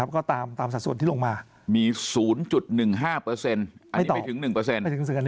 ก็ตามตามสะสวนที่ลงมามี๐๑๕มีต่อไปถึง๑เปอร์เสร็จจุด